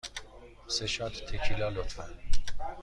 سه شات تکیلا، لطفاً.